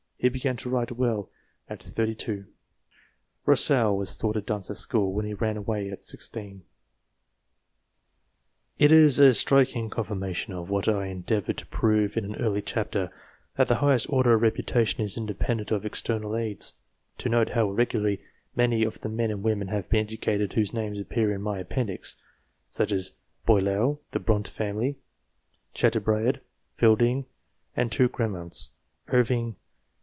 He began to write well a3t. 32. Rous seau was thought a dunce at school whence he ran away set. 16 It is a striking confirmation of what I endeavoured to prove in an early chapter that the highest order of reputation is independent of external aids to note how irregularly many of the men and women have been edu cated whose names appear in my appendix such as Boileau, the Bronte family, Chateaubriand, Fielding, the two Gramonts, Irving.